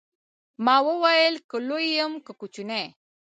ما وويل که لوى يم که کوچنى.